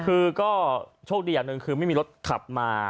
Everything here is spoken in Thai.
คือก็โชคดีอย่างหนึ่งคือไม่มีรถขับมา